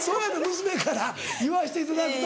娘から言わせていただくと。